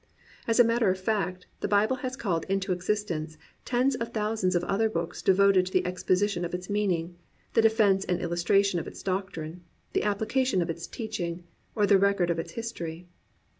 As a matter of fact, the Bible has called into existence tens of thousands of other books devoted to the exposition of its meaning, the defense and illustra tion of its doctrine, the application of its teaching, or the record of its history.